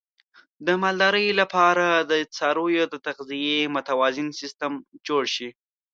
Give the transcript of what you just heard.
د مالدارۍ لپاره د څارویو د تغذیې متوازن سیستم جوړ شي.